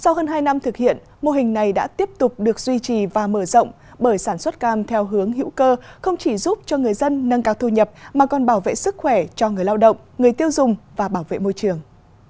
sau hơn hai năm thực hiện mô hình này đã tiếp tục được duy trì và mở rộng bởi sản xuất cam theo hướng hữu cơ không chỉ giúp cho người dân nâng cao thu nhập mà còn bảo vệ sức khỏe cho người lao động người tiêu dùng và bảo vệ môi trường